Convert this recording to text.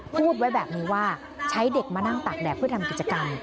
พูดไว้แบบนี้ว่าใช้เด็กมานั่งตากแดดเพื่อทำกิจกรรม